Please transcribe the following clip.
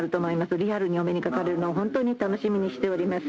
リアルにお目にかかるの、本当に楽しみにしております。